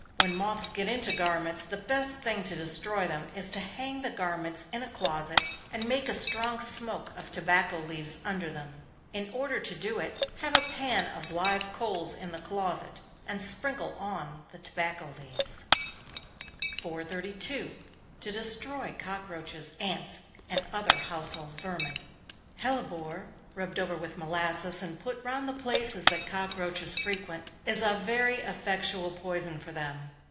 When moths get into garments, the best thing to destroy them is to hang the garments in a closet, and make a strong smoke of tobacco leaves under them. In order to do it, have a pan of live coals in the closet, and sprinkle on the tobacco leaves. 432. To destroy Cockroaches, Ants, and other household Vermin. Hellebore, rubbed over with molasses, and put round the places that cockroaches frequent, is a very effectual poison for them.